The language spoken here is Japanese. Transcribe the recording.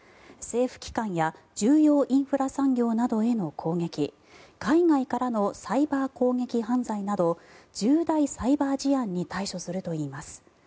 政府機関や重要インフラ産業などへの攻撃海外からのサイバー攻撃犯罪など重大サイバー事案に対処するといいます。